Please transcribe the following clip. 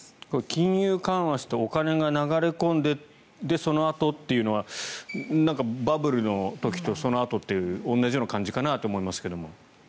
金融緩和してお金が流れ込んでそのあとっていうのはバブルの時とそのあとというのと同じような感じかなと思いますが。